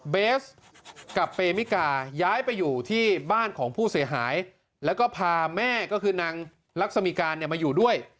เบสกับเปมิกาย้ายไปอยู่ที่บ้านของผู้เสียหายแล้วก็พาแม่ก็คือนางลักษิการเนี่ยมาอยู่ด้วย